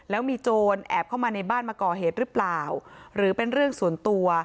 แล้วมีโจรแอบเข้ามาในบ้านมาก่อเหตุหรือเปล่าหรือเป็นเรื่องส่วนตัว